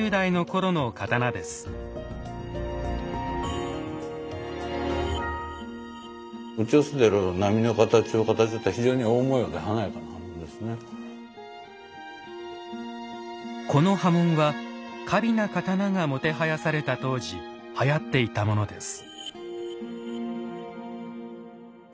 この刃文は華美な刀がもてはやされた当時はやっていたものです。